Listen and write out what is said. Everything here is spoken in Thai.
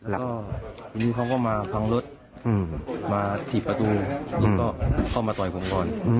แล้วก็ทีนี้เขาก็มาพังรถมาถีบประตูแล้วก็เข้ามาต่อยผมก่อน